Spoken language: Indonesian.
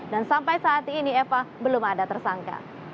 dan sampai saat ini eva belum ada tersangka